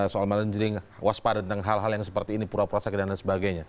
soal manajering waspada tentang hal hal yang seperti ini pura pura sakit dan lain sebagainya